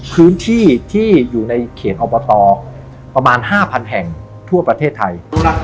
พื้นที่ที่อยู่ในเขตอบตประมาณ๕๐๐แห่งทั่วประเทศไทย